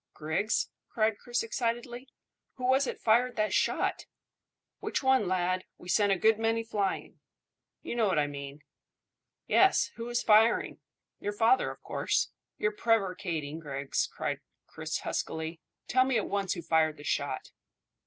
"Griggs," cried Chris excitedly, "who was it fired that shot?" "Which one, my lad? We sent a good many flying." "You know what I mean." "Yes, who was firing. Your father, of course." "You're prevaricating, Griggs," cried Chris huskily. "Tell me at once who fired that shot?"